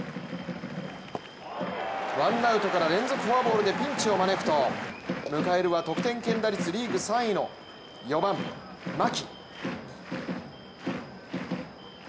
ワンナウトから連続フォアボールでピンチを招くと迎えるは得点圏打率リーグ３位の４番・牧。